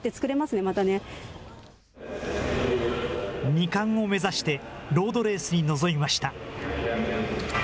２冠を目指して、ロードレースに臨みました。